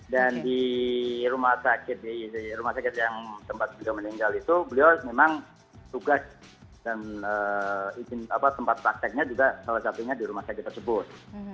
dan di rumah sakit yang tempat dia meninggal itu beliau memang tugas dan tempat prakteknya juga salah satunya di rumah sakit tersebut